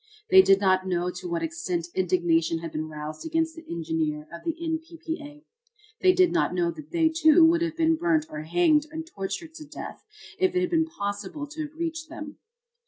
They did not know to what extent indignation had been roused against the engineer of the N. P. P. A. They did not know that they, too, would have been burnt or hanged and tortured to death if it had been possible to have reached them.